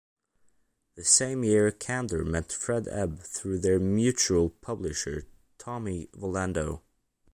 The same year, Kander met Fred Ebb through their mutual publisher, Tommy Volando.